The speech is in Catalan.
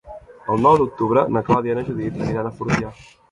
El nou d'octubre na Clàudia i na Judit aniran a Fortià.